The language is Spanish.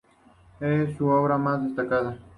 Es su obra más destacada.